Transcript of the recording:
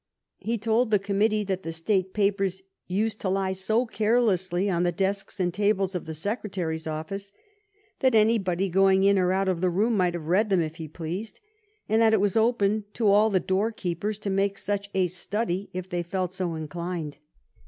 He told the committee that the state papers used to lie so carelessly on the desks and tables of the Secretary's office that anybody going in or out of the room might have read them if he pleased, and that it was open to all the door keepers to make such a study if they felt so inclined.